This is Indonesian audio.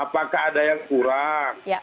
apakah ada yang kurang